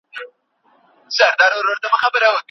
تاسي باید په موبایل کي د ژبو د نویو لغتونو ماناوې ولیکئ.